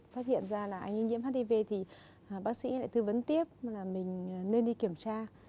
phát hiện ra là anh ấy nhiễm hát đi vê thì bác sĩ lại thư vấn tiếp là mình nên đi kiểm tra